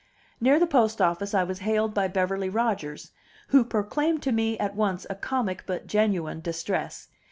Near the post office I was hailed by Beverly Rodgers, who proclaimed to me at once a comic but genuine distress.